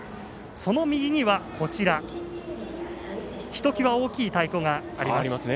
その右にはひときわ大きい太鼓があります。